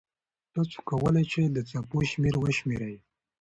تاسو کولای سئ د څپو شمېر وشمېرئ.